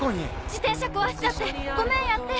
「自転車壊しちゃってごめん」やって。